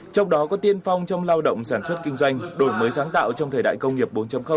trong đó có tiên phong trong lao động sản xuất kinh doanh đổi mới sáng tạo trong thời đại công nghiệp bốn